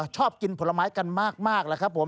ชอบกินผลไม้กันมากแล้วครับผม